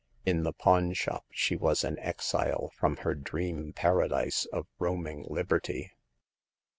In the pawn shop she was an exile from her dream paradise of roaming liberty.